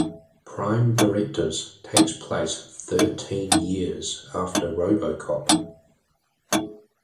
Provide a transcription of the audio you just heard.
"Prime Directives" takes place thirteen years after "RoboCop".